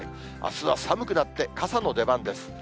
あすは寒くなって、傘の出番です。